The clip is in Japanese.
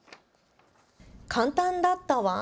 簡単だったワン？